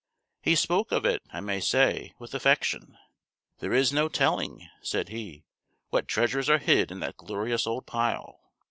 He spoke of it, I may say, with affection. "There is no telling," said he, "what treasures are hid in that glorious old pile.